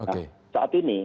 nah saat ini